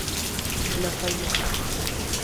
La Faye